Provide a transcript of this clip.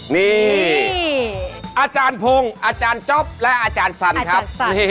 นี่อาจารย์พงศ์อาจารย์จ๊อปและอาจารย์สันครับ